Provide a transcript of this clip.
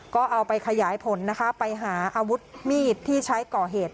ก็เอาไปขยายผลนะคะไปหาอาวุธมีดที่ใช้ก่อเหตุ